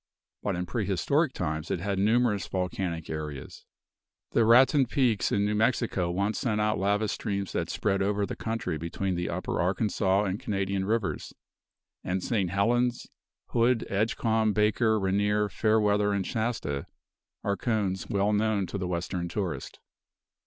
But in prehistoric times it had numerous volcanic areas. The Raton peaks in New Mexico once sent out lava streams that spread over the country between the Upper Arkansas and Canadian rivers; and St. Helens, Hood, Edgecombe, Baker, Rainier, Fair Weather and Shasta, are cones well known to the western tourist.